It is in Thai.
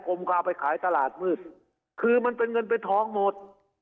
ผมก็เอาไปขายตลาดมืดคือมันเป็นเงินเป็นทองหมด